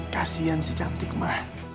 kasian si cantik ma